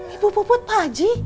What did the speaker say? ibu puput paji